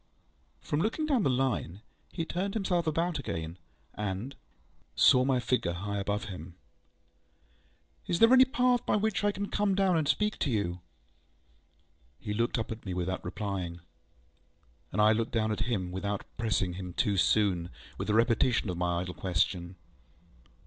ŌĆØ From looking down the Line, he turned himself about again, and, raising his eyes, saw my figure high above him. ŌĆ£Is there any path by which I can come down and speak to you? ŌĆØ He looked up at me without replying, and I looked down at him without pressing him too soon with a repetition of my idle question.